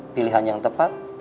pilihan yang tepat